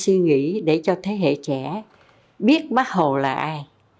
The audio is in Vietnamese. suy nghĩ để cho thế hệ trẻ biết bác hồ là ai